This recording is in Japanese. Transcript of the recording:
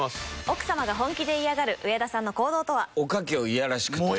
奥様が本気で嫌がる上田さんの行動とは？